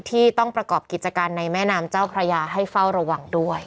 ที่ต้องประกอบกิจการในแม่น้ำเจ้าพระยาให้เฝ้าระวังด้วย